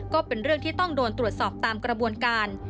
ก็เป็นเรื่องที่ต้องโดนตรวจสอบตามกระบวนการ